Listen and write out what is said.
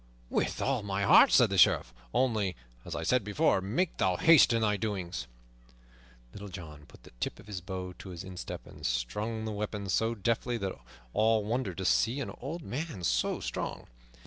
"With all my heart," said the Sheriff, "only, as I said before, make thou haste in thy doings." Little John put the tip of his bow to his instep, and strung the weapon so deftly that all wondered to see an old man so strong.